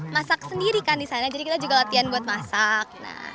masak sendiri kan di sana jadi kita juga latihan buat masak